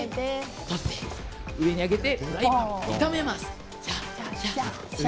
上に持ち上げて炒めます。